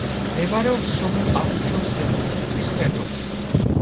მდებარეობს სოფელ აკუშოს ზემოთ, მთის ფერდობზე.